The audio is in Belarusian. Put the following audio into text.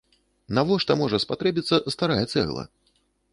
Навошта можа спатрэбіцца старая цэгла?